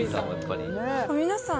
皆さん